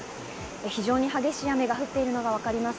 非常に激しい雨が降っているのが分かります。